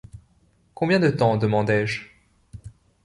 Combien de temps, demandai-je